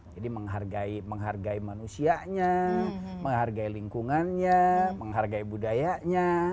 menghargai manusianya menghargai lingkungannya menghargai budayanya